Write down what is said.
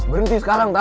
berhenti sekarang tak